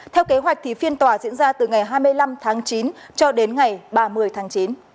theo kế hoạch thì phiên tòa diễn ra từ ngày hai mươi năm tháng chín cho đến ngày ba mươi tháng chín